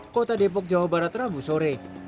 kota depok jawa barat rabu sore